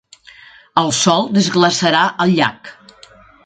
El sol desglaçarà el llac.